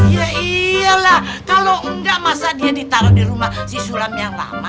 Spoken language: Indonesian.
ya iyalah kalau enggak masa dia ditaruh di rumah si sulam yang lama